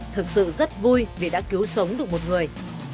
thực sự rất vui vì đã cứu sống được một người